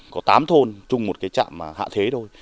có tám thôn trung một cái chạm hạ thế thôi